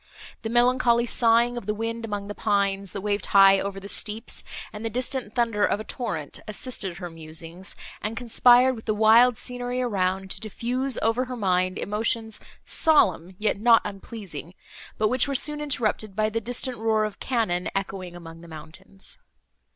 The melancholy sighing of the wind among the pines, that waved high over the steeps, and the distant thunder of a torrent assisted her musings, and conspired with the wild scenery around, to diffuse over her mind emotions solemn, yet not unpleasing, but which were soon interrupted by the distant roar of cannon, echoing among the mountains.